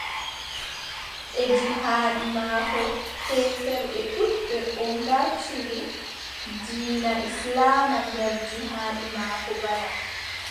E jihaadi maako, heeferɓe ɗuuɗɓe o ngartiri diina islaama nder jihaadi maako bana.